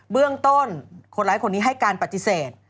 เบื้องต้นคนร้ายคนนี้ให้การปฏิเสธ